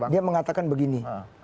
dia mengatakan begini